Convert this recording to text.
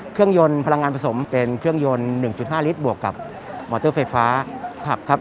เครื่องยนต์พลังงานผสมเป็นเครื่องยนต์๑๕ลิตรบวกกับมอเตอร์ไฟฟ้าผับครับ